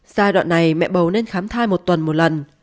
giai đoạn này mẹ bầu nên khám thai một tuần một lần